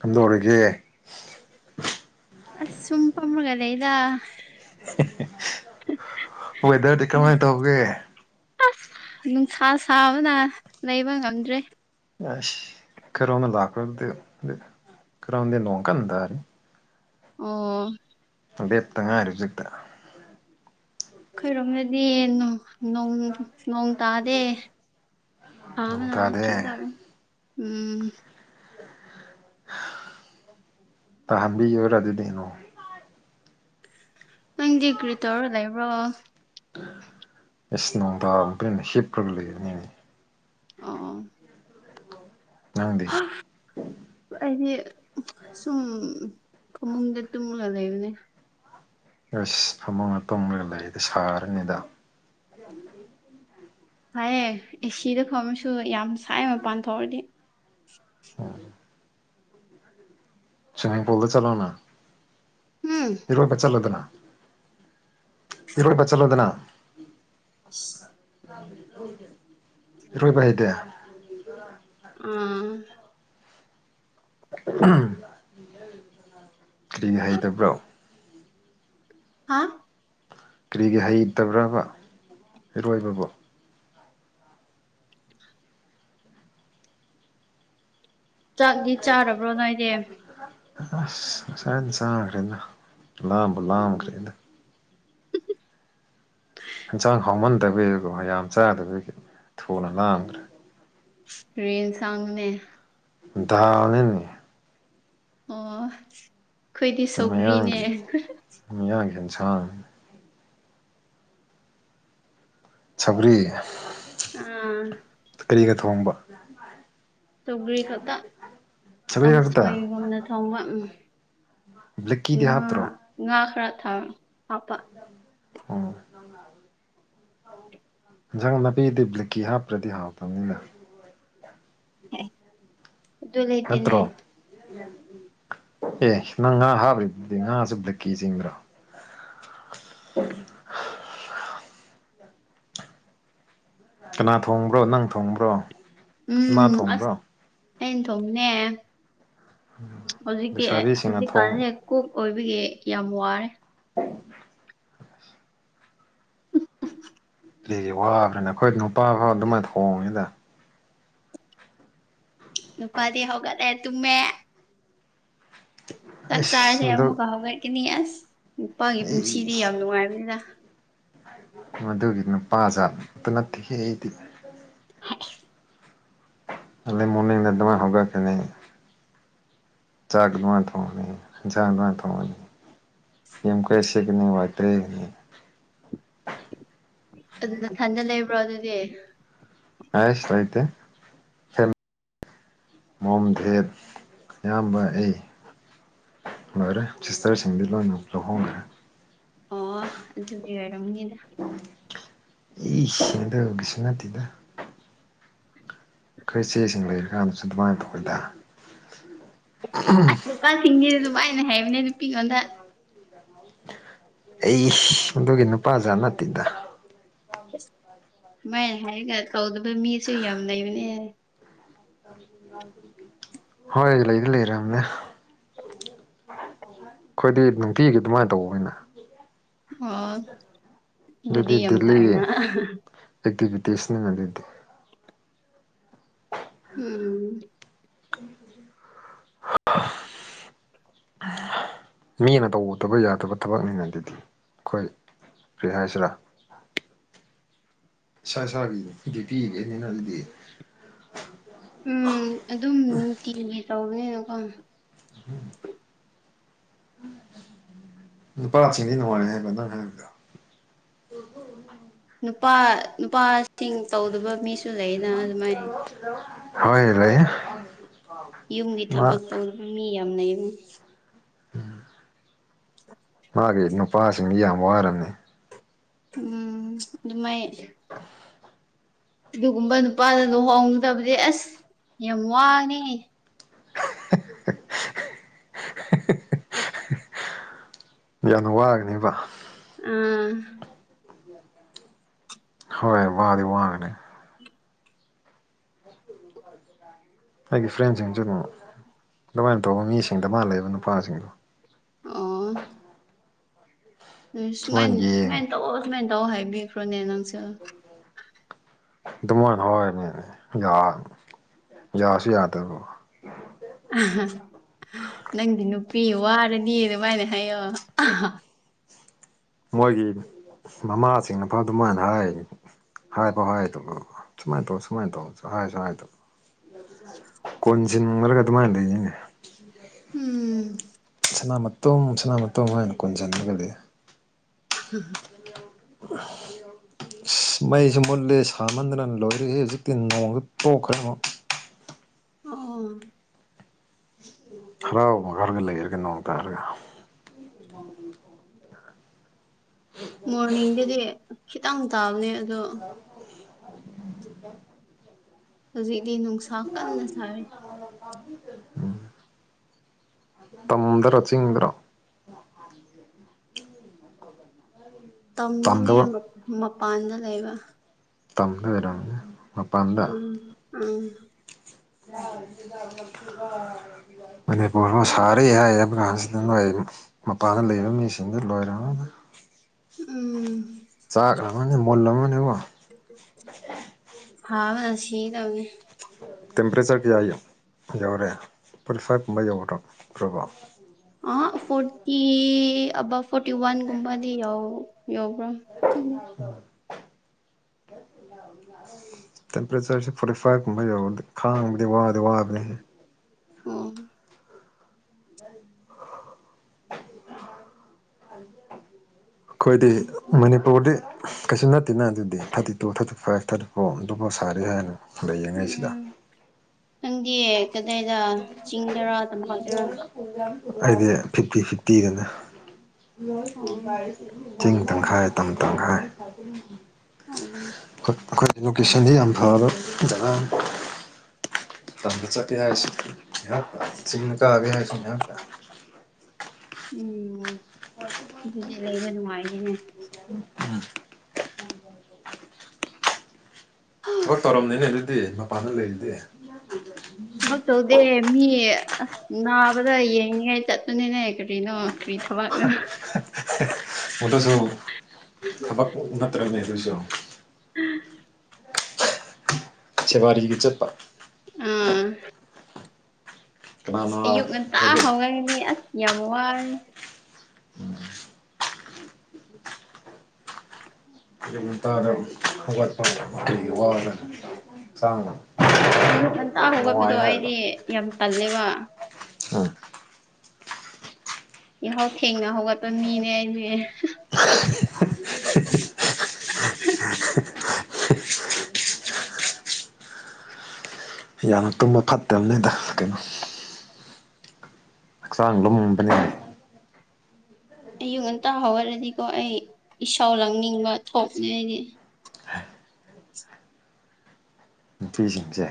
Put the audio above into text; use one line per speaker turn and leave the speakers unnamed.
ꯀꯟꯗꯔꯒꯦ
ꯑꯁ ꯁꯨ ꯃꯒꯗꯦ ꯏꯗ
ꯋꯦꯗꯔꯗꯤ ꯀꯃꯥꯏꯅ ꯇꯧꯒꯦ
ꯑꯁ ꯅꯨꯡꯁꯥ ꯁꯥꯕꯅ ꯂꯩꯕ ꯉꯝꯗ꯭ꯔꯦ
ꯑꯁ ꯈꯔꯥꯎꯅ ꯂꯥꯛꯀꯗ ꯈꯔꯥꯎꯗ ꯂꯣꯡꯀꯟꯗ ꯑꯔ
ꯑꯣ
ꯂꯦꯞꯇ ꯉꯥꯏꯔꯦ ꯍꯧꯖꯤꯛꯇ
ꯑꯩꯣꯏꯔꯣꯝꯗꯗꯤ ꯅ ꯅꯣꯡꯣꯡ ꯇꯥꯗ ꯑꯥ
ꯅꯣꯡ
ꯃꯅ
ꯇꯥꯗꯦ
ꯊ ꯍꯔ ꯎꯝ
ꯇꯍꯕꯤ ꯌꯔ ꯑꯗꯨꯗꯅꯣ
ꯅꯪꯗꯤ ꯀ꯭ꯔꯤ ꯇꯧꯔ ꯂꯩꯕ꯭ꯔꯣ
ꯏꯁꯁ ꯅꯣꯡꯕ ꯍꯦꯞꯄꯒ ꯂꯩꯒ ꯅꯅꯤ
ꯑꯥ
ꯅꯪꯗꯤ
ꯍꯥꯏꯗꯤ ꯁꯨꯝ ꯐꯃꯨꯡꯗ ꯇꯨꯝꯂꯒ ꯂꯩꯕꯅꯦ
ꯑꯁ ꯐꯃꯨꯡꯒ ꯇꯨꯝꯉꯒ ꯂꯩꯔꯤꯗ ꯁꯥꯔꯅꯤꯗ
ꯍꯥꯏꯌꯦꯦ ꯑꯦꯁꯤꯗ ꯈꯪꯃꯁꯨ ꯌꯥꯝ ꯁꯥꯏ ꯃꯄꯥꯟ ꯊꯣꯛꯑꯗꯤ
ꯑ ꯁꯃꯥꯏ ꯄꯨꯣꯗ ꯆꯠꯂꯣꯅ
ꯎꯝ
ꯏ ꯄꯆꯜꯂꯣꯗꯅ ꯏꯗꯤ ꯄꯆꯜꯂꯣꯗꯅ ꯔꯔꯣꯏꯕꯍꯤꯍꯤꯗ
ꯎꯝ
ꯅꯤ ꯍꯥꯏꯩꯗꯕ꯭ꯔꯣ
ꯍꯥ
ꯀꯔꯤꯒꯤ ꯍꯩꯇꯕ꯭ꯔꯕ ꯏꯔꯣꯏꯕꯕꯨ
ꯆꯥꯛꯗꯤ ꯆꯥꯔꯕ꯭ꯔꯣ ꯅꯏꯗꯦ
ꯑꯁ ꯏꯟꯁꯥꯡ ꯈꯔꯤꯅꯥ ꯂꯝ ꯕꯂꯝ ꯈꯔꯤ
[unintelligible]
ꯍꯟꯁꯥꯡ ꯍꯥꯎꯃꯟꯗꯕꯣ ꯌꯥꯝ ꯆꯥꯗꯕ ꯊꯨꯅ ꯂꯥꯝꯈ꯭ꯔꯦ
ꯔꯔꯤꯟ ꯁꯥꯡꯒꯅꯦ
ꯅꯤꯅꯤ
ꯑꯣ ꯑꯩꯈꯣꯏꯗꯤ ꯁꯧꯒ꯭ꯔꯤꯅꯦ
ꯆꯥ ꯁꯕꯔꯤ
ꯑꯥ
ꯊꯣꯡꯕ
ꯁꯧꯒ꯭ꯔꯤ ꯈꯛꯇ
ꯁꯒꯔꯤ ꯈꯛꯇ ꯕ꯭ꯂꯦꯛꯀꯤꯗꯤ
ꯉ
ꯍꯥꯞꯇ꯭ꯔꯣ
ꯉ ꯈꯔꯥ ꯊꯥ ꯍꯥꯥꯄ
ꯑ ꯏꯟꯁꯥꯡ ꯅꯥꯄꯤꯗꯤ ꯕ꯭ꯂꯤꯛꯀꯤ ꯍꯥꯞꯄ꯭ꯔꯗꯤ ꯍꯥꯎꯇꯕꯅꯤꯅ
ꯇꯣ ꯂꯩꯇꯅꯦ
ꯅꯠꯇ꯭ꯔꯣ ꯑꯦ ꯅꯪ ꯉꯥ ꯍꯥꯞꯕ꯭ꯔꯤꯗꯤ ꯉꯥꯁꯨꯕꯗ ꯀꯤ ꯆꯤꯡꯕ꯭ꯔꯣ ꯎꯝ ꯀꯅꯥ ꯊꯣꯡꯕ꯭ꯔꯣ ꯅꯪ ꯊꯣꯡꯕ꯭ꯔꯣ ꯏꯃꯥ
ꯎꯝ ꯑꯁ
ꯊꯣꯡꯕ꯭ꯔꯣ
ꯑꯩꯅ ꯊꯣꯡꯅꯦ ꯍꯧꯖꯤꯛꯇꯤ
ꯂꯩꯁꯥꯕꯤꯁꯤꯡꯅ ꯊꯣꯡ
ꯍꯧꯖꯤꯛꯀꯥꯟꯁꯦ ꯀꯣꯛ ꯑꯣꯏꯕꯒꯤ ꯌꯥꯝ ꯋꯥꯔꯦ
ꯀꯁ ꯋꯥꯕ꯭ꯔꯅ ꯑꯩꯈꯣꯏ ꯅꯨꯄꯥ ꯐꯥꯎ ꯑꯗꯨꯃꯥꯏꯅ ꯊꯣꯡꯉꯤꯗ
ꯅꯨꯄꯥꯗꯤ ꯍꯒꯗꯦ ꯇꯨꯝꯃꯦ ꯆꯥꯛ
ꯑꯩꯁ
ꯆꯥꯔꯁꯦ
ꯑꯗꯨ
ꯑꯃꯨꯛꯀ ꯍꯧꯒꯠꯀꯅꯤ ꯑꯁ ꯅꯨꯄꯥꯒꯤ
ꯑꯩ
ꯄꯨꯟꯁꯤꯗꯤ ꯌꯥꯝ ꯅꯨꯡꯉꯥꯏꯕꯅꯤꯗ
ꯃꯗꯨꯒꯤ ꯅꯨꯄꯥ ꯖꯥꯠꯇ ꯅꯠꯇꯦꯍꯦ ꯑꯩꯗꯤ
[inaudible]
ꯑꯂ ꯃꯣꯔꯅꯤ ꯅꯠꯇꯃ ꯍꯧꯒꯀꯅꯤ [unintelligible] ꯌ ꯀꯁꯒꯤꯅꯤ ꯋꯥꯏꯇꯔꯅꯤꯅꯤ
ꯊꯟꯖꯦꯜ ꯂꯩ ꯂꯩꯕ꯭ꯔꯣ ꯑꯗꯨꯗꯤ
ꯍ ꯃꯣꯝꯊꯦꯛ ꯑꯌꯥꯝꯕ ꯑꯩ ꯃꯔꯦ ꯆꯤꯁꯇꯔꯦꯁꯤꯡꯗꯤ ꯂꯣ ꯍꯣꯡ
ꯑꯣ ꯑꯗꯨꯗꯤ ꯑꯣꯏꯔꯝꯒꯤꯗ
ꯑꯦꯗ ꯁꯅꯥꯇꯤꯗ ꯈꯣꯏ ꯆꯦꯁꯤꯡ ꯂꯩꯔꯀꯥꯟꯗꯁꯨ ꯑꯗꯨꯃꯥꯏꯅ ꯇꯧꯏꯗ
ꯑꯁ ꯅꯨꯄꯥꯁꯤꯡꯒꯤꯁꯤꯅ ꯑꯗꯨꯃꯥꯏꯅ ꯍꯥꯏꯕꯅꯦ ꯅꯨꯄꯤꯉꯣꯟꯗ
ꯑꯩ ꯑꯗꯨꯒꯤ ꯅꯨꯄꯥꯖꯥꯠ ꯅꯠꯇꯦꯗ
ꯃꯥꯏ ꯍꯥꯏꯔꯒ ꯇꯧꯗꯕ ꯃꯤꯁꯨ ꯌꯥꯝ ꯂꯩꯕꯅꯦ
ꯍꯣꯏ ꯂꯩꯗꯤ ꯂꯩꯔꯝꯅꯦ ꯑꯩꯈꯣꯏꯗꯤ ꯅꯨꯡꯇꯤꯒꯤ ꯑꯗꯨꯃꯥꯏꯅ ꯇꯧꯕꯅ
ꯑꯣ
ꯑꯗꯨꯗꯤ
ꯌꯥꯝ ꯐꯩꯅ
ꯗꯦꯜꯂꯤ ꯗꯁꯅꯦ ꯉ ꯂꯩ
ꯎꯝ
ꯍ ꯃꯤꯅ ꯇꯧꯗꯕ ꯌꯥꯗꯕ ꯊꯕꯛꯅꯤꯅ ꯑꯗꯨꯗꯤ ꯑꯩꯈꯣꯏ ꯐꯤꯍꯥꯏꯁꯂꯥ ꯏꯁ ꯏꯁꯥꯕꯤꯗꯤ ꯄꯤꯒꯅꯤꯅ ꯑꯗꯨꯗꯤ
ꯎꯝ ꯑꯗꯨꯝ ꯅꯨꯡꯇꯤꯒꯤꯒꯦ ꯇꯧꯕꯅꯤꯅꯀꯣ [inaudible]
ꯄꯥꯔꯁꯤꯅꯤ ꯅꯅꯨꯡꯉꯅꯦ ꯍꯥꯏ ꯀ ꯍꯥꯏ
ꯅꯨꯄꯥ ꯅꯨꯄꯥꯁꯤꯡ ꯇꯧꯗꯕ ꯃꯤꯁꯨ ꯂꯩꯅ ꯑꯗꯨꯃꯥꯏꯅ
ꯍꯣꯏ ꯂꯩꯏ
ꯌꯨꯝꯒꯤ ꯊꯕꯛ ꯇꯧꯗꯨꯅ ꯃꯤ ꯌꯥꯝꯅ ꯌꯨꯝꯅꯤ
ꯎꯝ ꯃꯥꯒꯤ ꯅꯨꯄꯥꯁꯤꯡ ꯌꯥꯝ ꯋꯥꯔꯝꯃꯤ
ꯎꯝ ꯑꯗꯨꯃꯥꯏ ꯑꯗꯨꯒꯨꯝꯕ ꯅꯨꯄꯥꯗ ꯂꯨꯍꯣꯡꯗꯕꯗꯤ ꯑꯁ ꯌꯥꯝ ꯋꯥꯉꯦ
ꯌꯥꯝꯅ ꯋꯥꯒꯅꯦꯕ
ꯑꯥ
ꯍꯣꯏ ꯋꯥꯗꯤ ꯋꯥꯒꯅꯤ ꯑꯩꯒꯤ ꯐ꯭ꯔꯦꯟꯁꯤꯡꯁꯨ ꯑꯗꯨꯝ ꯑꯗꯨꯃꯥꯏꯅ ꯇꯧꯕ ꯃꯤꯁꯤꯡꯗ ꯃꯥ ꯂꯩꯕ ꯅꯨꯄꯥꯁꯤꯡꯗ
ꯑꯣ ꯎ ꯁꯨꯃꯥꯏ
ꯁꯨꯃꯥꯏꯅ ꯌꯦꯡ
ꯁꯨꯃꯥꯏꯅ ꯇꯧꯑꯣ ꯁꯨꯃꯥꯏꯅ ꯇꯧꯑꯣ ꯍꯥꯏꯕꯤꯈ꯭ꯔꯣꯅꯦ ꯅꯪꯁꯨ
ꯑꯗꯨꯃꯣꯏꯅ ꯍꯔꯅꯦꯅꯦ ꯌꯥ ꯌꯥꯁꯨ ꯌꯥꯗꯕꯣ
ꯑ ꯅꯪꯗꯤ ꯅꯨꯄꯤ ꯋꯥꯔꯗꯤ ꯑꯗꯨꯃꯥꯏꯅ ꯍꯥꯏꯌꯣ
ꯃꯣꯏꯒꯤ ꯃꯃꯥꯁꯤꯡꯅꯄꯥ ꯑꯗꯨꯃꯥꯏꯅ ꯍꯥꯏ ꯍꯥꯏꯕ ꯍꯥꯏꯗ ꯁꯨꯃꯥꯏꯅ ꯇꯧ ꯁꯨꯃꯥꯏꯅ ꯇꯧ ꯍꯥꯏꯁꯨ ꯍꯥꯏꯗ ꯀꯣꯟꯁꯤꯟꯔꯒ ꯑꯗꯨꯃꯥꯏꯅ ꯂꯩꯁꯤꯅꯦ
ꯎꯝ
ꯁꯅꯥ ꯃꯇꯣꯝ ꯁꯅꯥ ꯃꯇꯣꯝ ꯑꯣꯏꯅ ꯀꯣꯟꯁꯤꯟꯂꯒꯗꯤ
ꯍꯝ
ꯍ ꯑ ꯃꯩꯁꯨ ꯃꯨꯂꯦ ꯁꯃꯟꯗꯅ ꯂꯣꯏꯔꯦ ꯍꯧꯖꯤꯛꯇꯤ ꯅꯣꯡꯁꯨ ꯇꯣꯛꯈ꯭ꯔꯦ ꯑꯃꯨꯛ
ꯑ
ꯊꯔꯥꯎ ꯃꯈꯉꯥꯔꯒ ꯂꯩꯔꯒ ꯅꯣꯡ ꯇꯔꯒ
ꯃꯣꯔꯅꯤꯡꯗꯗꯤ ꯈꯤꯇꯪ ꯇꯥꯕꯅꯦ ꯑꯗꯣ
[unintelligible]
ꯍꯧꯖꯤꯛꯇꯤ ꯅꯨꯡꯁꯥ ꯀꯟꯅ ꯁꯔꯦ
ꯑ ꯇꯝꯗꯔꯥ ꯆꯤꯡꯗ꯭ꯔ
ꯇꯝꯗꯅꯦ
ꯇꯝꯗꯕ
ꯃꯄꯥꯟꯗ ꯂꯩꯕ
ꯇꯝꯗꯔꯦ
ꯎꯝ ꯎꯝ
ꯃ ꯄꯔꯁ [unintelligible] ꯊꯥꯔ ꯍꯥꯏ ꯍꯥꯏꯕ ꯀꯥꯟꯁꯤꯗ ꯅꯣꯏ ꯃꯄꯥꯟꯗ ꯂꯩꯕ ꯃꯤꯁꯤꯡꯗ ꯂꯣꯏꯔꯝꯃꯅꯤ
ꯎꯝ
ꯆꯥꯛꯈ꯭ꯔꯕꯅꯦ ꯃꯣꯜꯂꯝꯃꯅꯦꯕꯣ
ꯍꯥ ꯑꯁ ꯍ ꯇꯧꯒꯦ
ꯇꯦꯝꯄꯔꯦꯆꯔ ꯀꯌꯥ ꯌꯧꯔꯦ ꯐꯣꯔꯇꯤ ꯐꯥꯏꯚ ꯀꯨꯝꯕ ꯌꯧꯒꯗ꯭ꯔꯣ ꯄ꯭ꯔꯣꯕꯝ
ꯑ ꯐꯣꯔꯇꯤ ꯑꯕꯞ ꯐꯣꯔꯇꯤ ꯋꯥꯟꯒꯨꯝꯕꯗꯤ ꯌꯥ ꯌꯥꯎꯕ꯭ꯔꯥꯪ ꯈꯪ
ꯇꯦꯝꯄꯔꯦꯆꯔꯁꯦ ꯐꯣꯔꯇꯤ ꯐꯥꯏꯚ ꯀꯨꯝꯕ ꯌꯧ ꯈꯥꯡꯕꯗꯤ ꯋꯥꯗꯤ ꯋꯥꯕꯅꯤ
ꯑ
[unintelligible] ꯑꯩꯈꯣꯏꯗꯤ ꯃꯅꯤꯄꯨꯔꯗꯤ ꯀꯩꯁꯨ ꯅꯠꯇꯦꯅ ꯑꯗꯨꯗꯤ thirty two thirty five thirty four ꯑꯗꯨꯐꯥꯎ ꯁꯥꯔꯤ ꯍꯥꯏꯅꯤ ꯗ ꯌꯦꯡꯉꯩꯁꯤꯗ
ꯑꯪꯗꯤ
ꯍꯥꯏꯗꯤ ꯐꯤꯐꯇꯤ ꯐꯤ [unintelligible]
ꯑꯣ
ꯇꯪꯈꯥꯏ ꯇꯝ ꯇꯪꯈꯥꯏ
ꯑ
ꯑꯩꯈꯣꯏ ꯏꯖꯨꯀꯦꯁꯟꯗꯤ ꯌꯥꯝ ꯐꯕ ꯖꯒꯅꯦ ꯇꯝꯕ ꯆꯠꯀꯦ ꯍꯥꯏꯔꯁꯤꯍꯥꯛ ꯆꯤꯡꯅ ꯀꯥꯒꯦ ꯍꯥꯏꯔꯁꯤ ꯉꯍꯥꯛ
ꯎꯝ ꯑꯗꯨꯗꯤ ꯂꯩꯕ ꯅꯨꯡꯉꯥꯏꯅꯤꯅꯦ
ꯊꯕꯛ ꯇꯧꯔꯝꯅꯤꯅꯦ ꯑꯗꯨꯗꯤ ꯃꯄꯥꯟꯗ ꯂꯩꯔꯤꯗꯤ
ꯊꯕꯛ ꯇꯧꯗꯦ ꯃꯤ ꯑꯁ ꯅꯥꯕꯗ ꯌꯦꯡꯉꯦ ꯆꯠꯇꯄꯅꯤꯅꯦ ꯀ꯭ꯔꯤꯅꯣ ꯀ꯭ꯔꯤ ꯊꯕꯒꯅꯣ
ꯃꯗꯁꯨ ꯊꯕꯛ ꯅꯠꯇ꯭ꯔꯅꯤ ꯑꯗꯨꯁꯨ
ꯎꯝ
ꯁꯦꯋꯥꯔꯤꯒꯤ ꯆꯠꯄ
ꯑꯥ
ꯀꯅꯥꯅ
ꯑꯌꯨꯛ ꯉꯟꯇꯥ
ꯈꯔꯗꯤ
ꯍꯧꯔꯒꯅꯤ ꯑꯁ ꯌꯥꯝ ꯋꯥꯔꯅꯤ
ꯎꯝ [unintelligible] ꯇꯔ ꯋꯥ [unintelligible]
ꯑꯌꯨꯛ ꯉꯟꯇꯥ ꯍꯧꯒꯠꯄꯗꯣ ꯑꯩꯗꯤ ꯌꯥꯝ ꯇꯜꯂꯦꯕ
ꯑ
ꯌꯥꯍꯥꯎ ꯊꯦꯡꯅ ꯍꯧꯒꯠꯄ ꯃꯤꯅꯦ ꯑꯩꯅꯦ
ꯌꯥꯝꯅ ꯇꯨꯝꯕ ꯐꯠꯇꯕꯅꯤꯗ ꯀꯩꯅꯣ ꯁꯥꯡꯣꯇꯅꯤ
ꯑꯌꯨꯛ ꯉꯟꯇꯥ ꯍꯧꯔꯔꯗꯤꯀꯣ ꯑꯩ ꯏꯁꯥꯎ ꯂꯥꯡꯅꯤꯡꯕ ꯊꯣꯛꯅꯤ ꯑꯩꯗꯤ
ꯅꯨꯄꯤꯁꯤꯖ